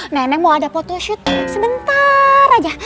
nenek mau ada photoshoot sebentar aja